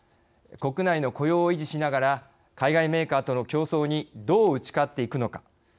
国内の雇用を維持しながら海外メーカーとの競争にどう打ち勝っていくのか。